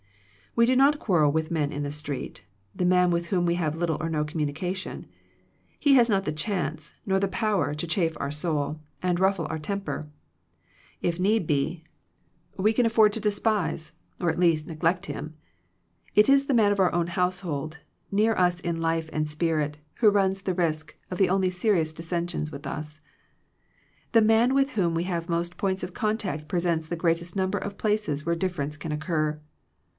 We do not quarrel with the man in the street, the man with whom we have little or no communica tion. He has not the chance, nor the power, to chafe our soul, and ruffle our temper. If need be, we can afford to 171 Digitized by VjOOQIC THE RENEWING OF FRIENDSHIP despise, or at least to neglect him. It is the man of our own household, near us in life and spirit, who runs the risk of the only serious dissensions with us. The man with whom we have most points of contact presents the greatest number of places where difference can occur.